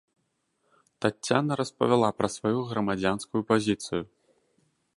Таццяна распавяла пра сваю грамадзянскую пазіцыю.